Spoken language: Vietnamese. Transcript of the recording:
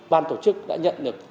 ban tổ chức đã nhận được